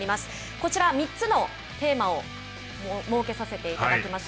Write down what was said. こちら３つのテーマを設けさせていただきました。